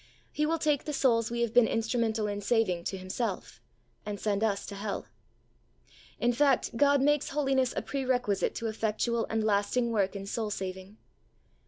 He will take the souls we have been instrumental in saving to Himself and send us to hell. In fact, God makes holiness a pre requisite to effectual and lasting work in soul saving.